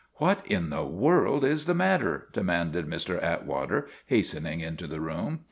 "What in the world is the matter?' demanded Mr. Atwater, hastening into the room.